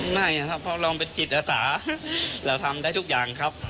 ไม่นะครับเพราะเราเป็นจิตอาสาเราทำได้ทุกอย่างครับ